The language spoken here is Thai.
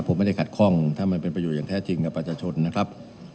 ผมไม่ได้ขัดข้องถ้ามันเป็นประโยชนอย่างแท้จริงกับประชาชนนะครับ